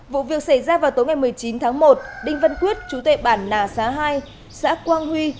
vụ việc xảy ra vào tối ngày một mươi chín tháng một đinh văn quyết chú tệ bản lả xá hai xã quang huy